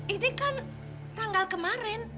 ini kan tanggal kemarin